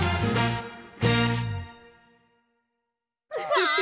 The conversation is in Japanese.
わあ！